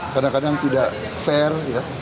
kadang kadang tidak fair